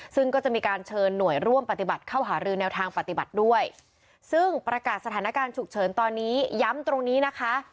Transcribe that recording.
ซึ่งก็จะมีการเชิญหน่วยร่วมปฏิบัติเข้าหารือแนวทางปฏิบัติด้วยซึ่งประกาศสถานการณ์ฉุกเฉินตอนนี้ย้ำตรงนี้นะคะ